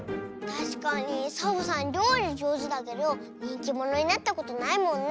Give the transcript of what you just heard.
たしかにサボさんりょうりじょうずだけどにんきものになったことないもんね。